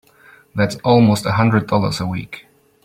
That's almost a hundred dollars a week!